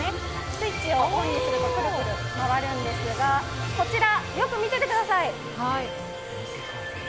スイッチをオンにするとクルクル回るんですが、こちら、よく見ててください。